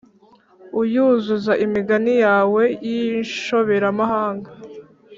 uyuzuza imigani yawe y’inshoberamahanga.